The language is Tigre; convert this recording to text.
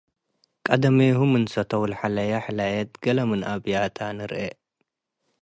ቀደሜሁ ምን ሰተው ለሐለየ ሕላየት ገሌ ምን አብያተ ንርኤ።